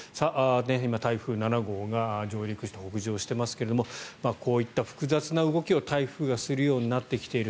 今、台風７号が上陸して北上してますけどこういった複雑な動きを台風がするようになってきている。